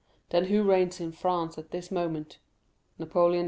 Then who reigns in France at this moment—Napoleon II.?"